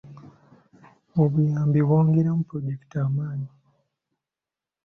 Obuyambi bwongeramu pulojekiti amaanyi.